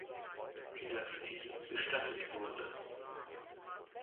Dynastie bestattet wurden.